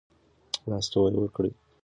لاس نیوی وکړئ